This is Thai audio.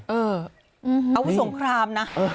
อาวุธสงครามนะ